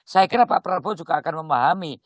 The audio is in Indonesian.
saya kira pak prabowo juga akan memahami